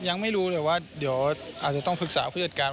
ยังไม่รู้แต่ว่าเดี๋ยวอาจจะต้องปรึกษาผู้จัดการ